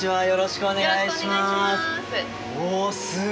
よろしくお願いします。